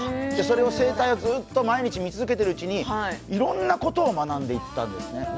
その生態を毎日見続けているうちにいろいろなことを学んでいったんですね。